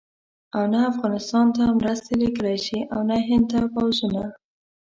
او نه افغانستان ته مرستې لېږلای شي او نه هند ته پوځونه.